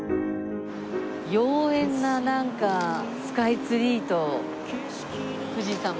妖艶ななんかスカイツリーと藤様。